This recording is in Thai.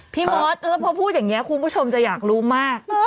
มอสแล้วพอพูดอย่างนี้คุณผู้ชมจะอยากรู้มาก